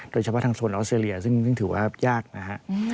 โดยเฉพาะทางโซนออสเตรเลียซึ่งถือว่ายากนะฮะ